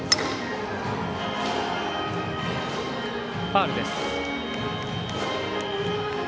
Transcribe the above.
ファウルです。